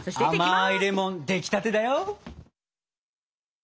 甘いレモン出来立てだよ。